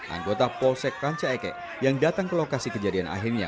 anggota polsek rancaege yang datang ke lokasi kejadian akhirnya